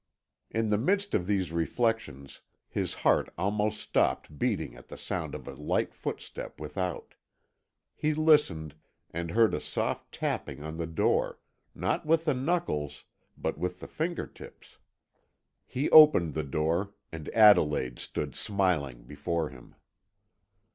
In the midst of these reflections his heart almost stopped beating at the sound of a light footstep without. He listened, and heard a soft tapping on the door, not with the knuckles, but with the finger tips; he opened the door, and Adelaide stood smiling before him.